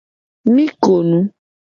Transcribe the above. Mi ko nu.